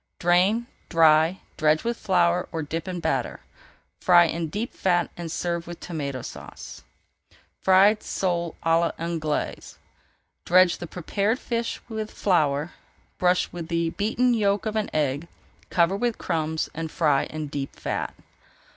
Drain, dry, dredge with flour or dip in batter. Fry in deep fat and serve with Tomato Sauce. FRIED SOLE À L'ANGLAISE Dredge the prepared fish with flour, brush with the beaten yolk of an egg, cover with crumbs, and fry in deep fat.